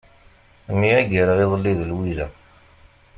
Myagreɣ iḍelli d Lwiza.